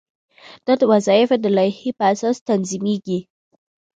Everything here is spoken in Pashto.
دا د وظایفو د لایحې په اساس تنظیمیږي.